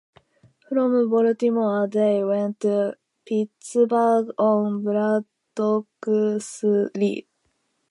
From Baltimore, they went to Pittsburgh on Braddock's Road.